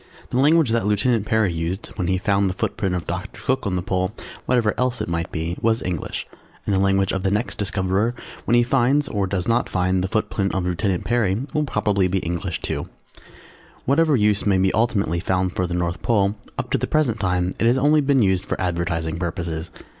The language that Lieutenant Peary used when he found the footprint of Doctor Cook on the Pole, whatever else it might be, was English, and the language of the next discoverer, when he finds (or does not find) the footprint of Lieutenant Peary, will probably be English too. [Illustration: Map of THE ARCTIC OCEAN OR THE WHITE SEA] Whatever use may be ultimately found for the North Pole, up to the present time it has only been used for advertising purposes.